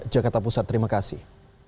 jakarta pusat terima kasih